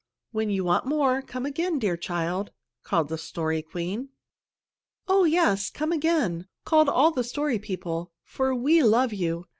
"When you want more, come again, dear child," called the Story Queen. "Oh, yes, come again!" called all the Story People. "For we love you!